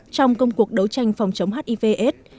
trong công cuộc đấu tranh phòng chống hiv aids